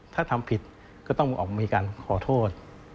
ถ้าทำผิดก็ต้องมีการขอโทษ